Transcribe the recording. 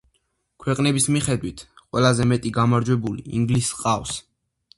ქვეყნების მიხედვით ყველაზე მეტი გამარჯვებული ინგლისს ჰყავს.